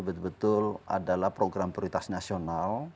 betul betul adalah program prioritas nasional